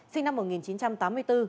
sinh năm một nghìn chín trăm tám mươi bốn